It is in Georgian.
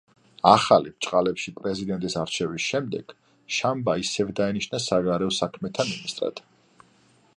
ახალი „პრეზიდენტის“ არჩევის შემდეგ შამბა ისევ დაინიშნა საგარეო საქმეთა მინისტრად.